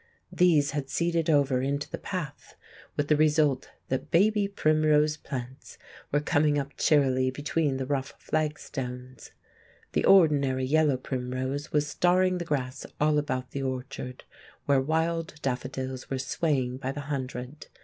These had seeded over into the path, with the result that baby primrose plants were coming up cheerily between the rough flagstones. The ordinary yellow primrose was starring the grass all about the orchard, where wild daffodils were swaying by the hundred.